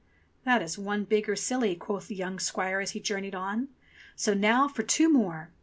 ''That is one bigger silly," quoth the young squire as he journeyed on. "So now for two more